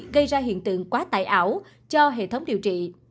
gây ra hiện tượng quá tải ảo cho hệ thống điều trị